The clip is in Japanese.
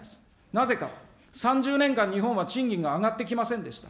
なぜか、３０年間日本は賃金が上がってきませんでした。